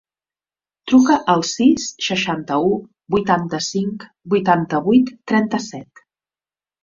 Truca al sis, seixanta-u, vuitanta-cinc, vuitanta-vuit, trenta-set.